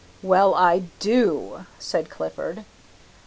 "Well, I do," said Clifford.